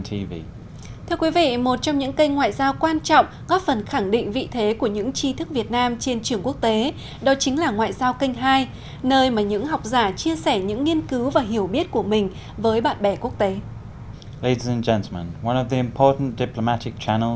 thưa quý vị một trong những kênh ngoại giao quan trọng góp phần khẳng định vị thế của những chi thức việt nam trên trường quốc tế đó chính là ngoại giao kênh hai nơi mà những học giả chia sẻ những nghiên cứu và hiểu biết của mình với bạn bè quốc tế